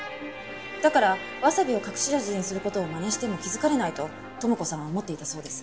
だからわさびを隠し味にする事をまねしても気づかれないと友子さんは思っていたそうです。